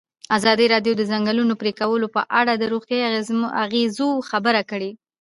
ازادي راډیو د د ځنګلونو پرېکول په اړه د روغتیایي اغېزو خبره کړې.